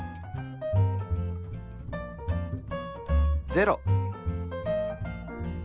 ０。